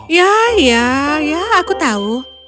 ya ya aku tahu